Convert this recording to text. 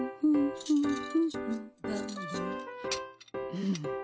うん。